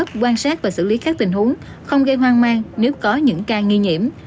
lớp quan sát và xử lý các tình huống không gây hoang mang nếu có những ca nghi nhiễm